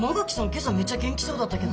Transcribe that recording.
今朝めっちゃ元気そうだったけど。